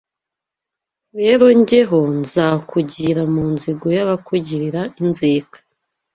Rero jye ho nzakugira mu nzigo Y’abakugirira inzika